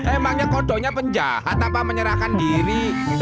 emangnya kodoknya penjahat tanpa menyerahkan diri